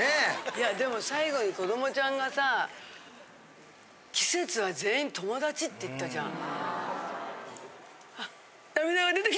いやでも最後に子どもちゃんがさ「季節は全員ともだち」って言ったじゃん。